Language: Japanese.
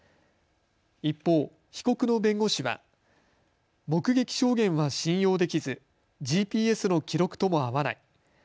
一方、被告の弁護士は目撃証言は信用できずＧＰＳの記録とも合わない。